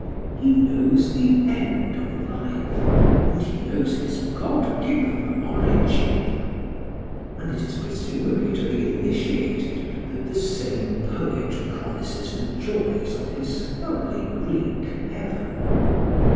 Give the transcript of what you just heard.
He knows the end of life, and he knows its god given origin." And it is presumably to the initiated that the same poet promises the joys of his thoroughly Greek heaven.